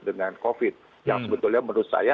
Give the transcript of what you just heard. dengan covid yang sebetulnya menurut saya